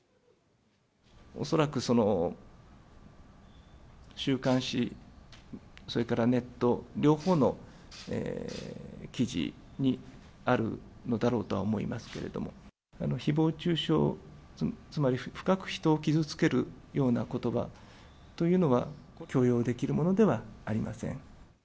恐らく、週刊誌、それからネット、両方の記事にあるのだろうとは思いますけれども、ひぼう中傷、つまり深く人を傷つけるようなことばというのは、許容できるものではありません。